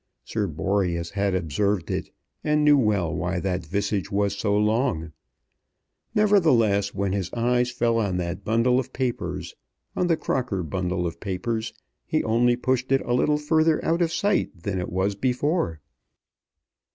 Sir Boreas had observed it, and knew well why that visage was so long. Nevertheless when his eyes fell on that bundle of papers, on the Crocker bundle of papers, he only pushed it a little further out of sight than it was before.